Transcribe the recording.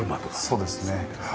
そうですね。